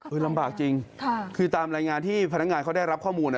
ลำบากจริงคือตามรายงานที่พนักงานเขาได้รับข้อมูล